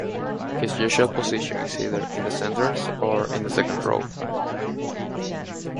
His usual position is either in the centres or in the second row.